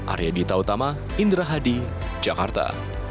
arya dita utama indra hadi jakarta